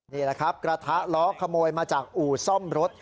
นี่แหละครับกระทะล้อขโมยมาจากอู่ซ่อมรถ